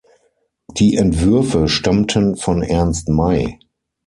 Die Entwürfe stammten von Ernst May.